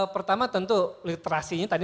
pertama tentu literasinya tadi masih di dalam